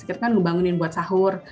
kita kan ngebangunin buat sahur